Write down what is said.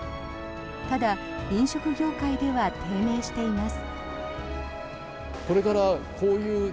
ただ、飲食業界では低迷しています。